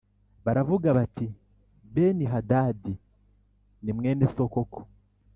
baravuga bati “Benihadadi ni mwene so koko”